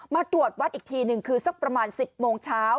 มาตรวจวัดอีกทีหนึ่งคือสักประมาณ๑๐โมงเช้า